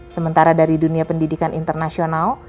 sementara dari dunia pendidikan internasional